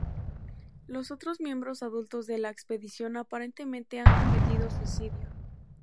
Los otros miembros adultos de la expedición aparentemente han cometido suicidio.